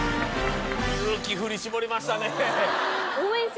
勇気振り絞りましたねああ